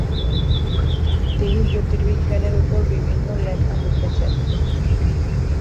তিনি জ্যোতির্বিজ্ঞানের উপর বিভিন্ন লেখা লিখেছেন।